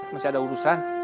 masih ada urusan